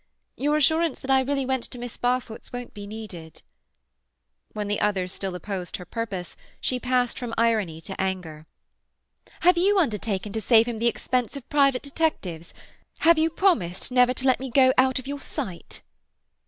Your assurance that I really went to Miss Barfoot's won't be needed." When the others still opposed her purpose she passed from irony into anger. "Have you undertaken to save him the expense of private detectives? Have you promised never to let me go out of your sight?"